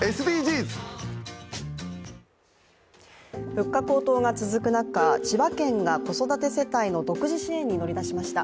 物価高騰が続く中、千葉県が子育て世帯の独自支援に乗り出しました。